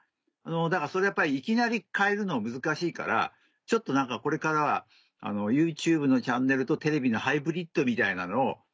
だからそれをいきなり変えるのは難しいからちょっと何かこれからはＹｏｕＴｕｂｅのチャンネルとテレビのハイブリッドみたいなのを。